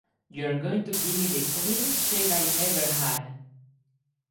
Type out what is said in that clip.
You're going to give me the cleanest shave I ever had.